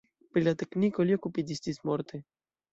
Pri la tekniko li okupiĝis ĝismorte.